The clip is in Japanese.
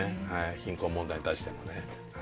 貧困問題に対してもね。